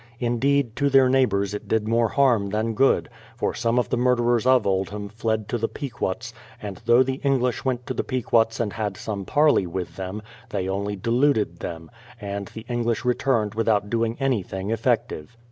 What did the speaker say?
In deed, to their neighbours it did more harm than good, for some of the murderers of Oldham fled to the Pequots, and though the English went to the Pequots and had some parley with them, they only deluded them, and the English returned without doing anything effective.